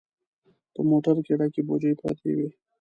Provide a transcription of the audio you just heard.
په موټر کې ډکې بوجۍ پرتې وې.